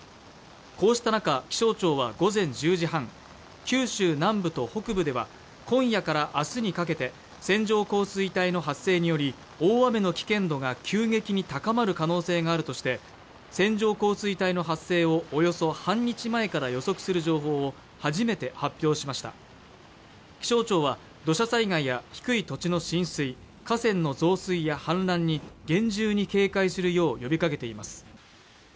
こうした中気象庁は午前１０時半九州南部と北部では今夜から明日にかけて線状降水帯の発生により大雨の危険度が急激に高まる可能性があるとして線状降水帯の発生をおよそ半日前から予測する情報を初めて発表しました気象庁は土砂災害や低い土地の浸水河川の増水や氾濫に厳重に警戒するよう呼びかけています